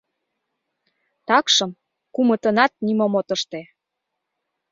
Такшым кумытынат нимом от ыште.